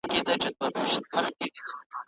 د لويي جرګې غړي کله د خبرو نوبت ترلاسه کوي؟